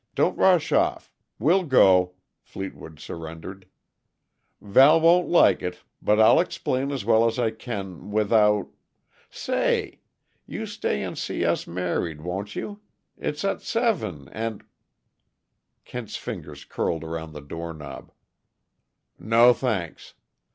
Don't rush off we'll go," Fleetwood surrendered. "Val won't like it, but I'll explain as well as I can, without Say! you stay and see us married, won't you? It's at seven, and " Kent's fingers curled around the doorknob. "No, thanks.